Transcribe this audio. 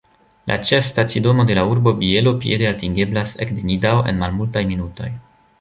La ĉefstacidomo de la urbo Bielo piede atingeblas ek de Nidau en malmultaj minutoj.